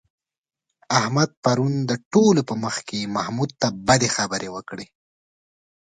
احمد پرون د ټولو په مخ کې محمود ته بدې خبرې وکړې.